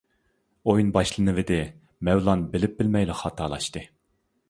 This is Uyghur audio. ئويۇن باشلىنىۋىدى، مەۋلان بىلىپ بىلمەيلا خاتالاشتى.